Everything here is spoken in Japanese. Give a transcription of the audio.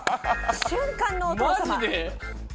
瞬間のお父様。